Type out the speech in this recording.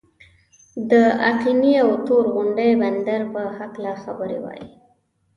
د آقینې او تور غونډۍ بندر په هکله خبرې وای.